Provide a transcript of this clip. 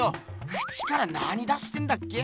口から何出してんだっけ？